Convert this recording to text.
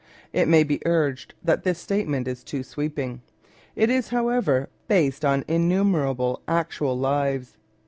It may be urged that this statement is too sweeping. It is, however, based on innumerable actual lives.